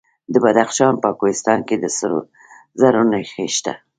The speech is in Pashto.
د بدخشان په کوهستان کې د سرو زرو نښې شته.